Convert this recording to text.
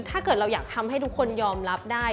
ถ้าเกิดเราอยากทำให้ทุกคนยอมรับได้